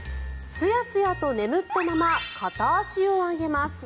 すやすやと眠ったまま片足を上げます。